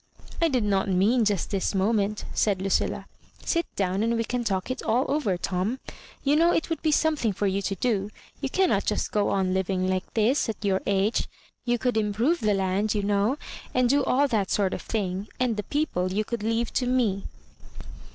" I did not mean just this moment," said Lu ciUa ;" sit down and we can talk it all over, Tonu You know it would be something for you to do ; you cannot just go Hving on like this at your age; you could improve the land, you know, and do all that sort of thing— and the people you could leave to me."